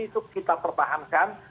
itu kita pertahankan